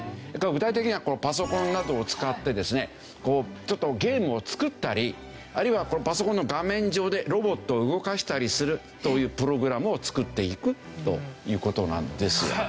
具体的にはパソコンなどを使ってですねちょっとゲームを作ったりあるいはパソコンの画面上でロボットを動かしたりするというプログラムを作っていくという事なんですよ。